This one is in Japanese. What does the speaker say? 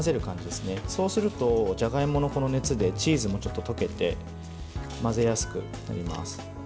そうすると、じゃがいもの熱でチーズもちょっと溶けて混ぜやすくなります。